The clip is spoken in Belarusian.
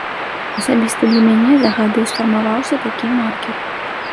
Асабіста для мяне за гады сфармаваўся такі маркер.